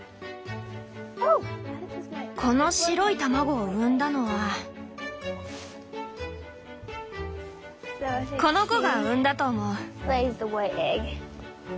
この白い卵を産んだのはこの子が産んだと思う。